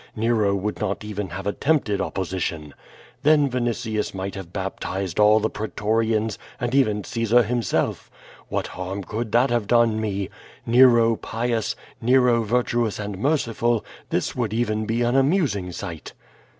Nero would not even have attempted opposition. Then Vinitius might have baptized all the pretorians and even Caesar himself. What harm could that have done me? Nero pious, Nero vir tuous and merciful, this would even be an amusing sight."